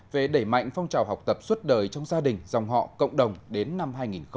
về đẩy mạnh phong trào học tập suốt đời trong gia đình dòng họ cộng đồng đến năm hai nghìn hai mươi